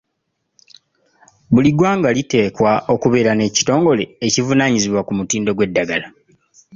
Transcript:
Buli ggwanga liteekwa okubeera n’ekitongole ekivunaanyizibwa ku mutindo gw’eddagala.